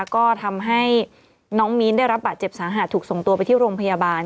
ก็ทำให้น้องมีนได้รับบาดเจ็บสาหัสถูกส่งตัวไปที่โรงพยาบาล